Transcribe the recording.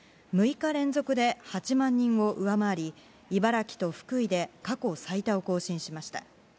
６日連続で８万人を上回り茨城と福井で過去最多を更新しました。